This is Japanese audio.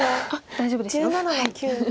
大丈夫ですよ。